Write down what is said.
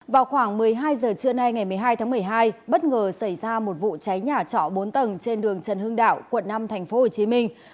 vào khoảng một mươi hai h trưa nay ngày một mươi hai tháng một mươi hai bất ngờ xảy ra một vụ cháy nhà trỏ bốn tầng trên đường trần hương đảo quận năm tp hcm